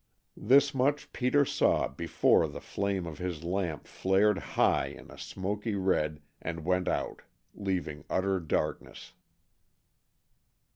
This much Peter saw before the flame of his lamp flared high in a smoky red and went out, leaving utter darkness.